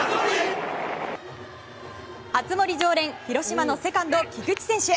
熱盛常連、広島のセカンド菊池選手。